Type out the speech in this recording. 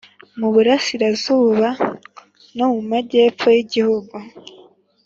mu Burasirazuba no mu Majyepfo y’igihugu.